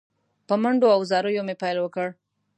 په منډو او زاریو مې پیل وکړ.